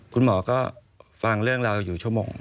คุณหมอก็ฟังเรื่องราวอยู่ชั่วโมง